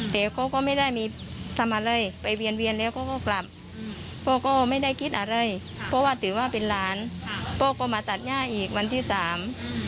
แต่เขาก็ไม่ได้มีทำอะไรไปเวียนเวียนแล้วเขาก็กลับพ่อก็ไม่ได้คิดอะไรเพราะว่าถือว่าเป็นหลานพ่อก็มาตัดย่าอีกวันที่สาม